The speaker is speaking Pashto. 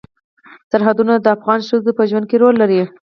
سرحدونه د افغان ښځو په ژوند کې رول لري.